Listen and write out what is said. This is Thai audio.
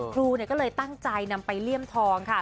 ครูก็เลยตั้งใจนำไปเลี่ยมทองค่ะ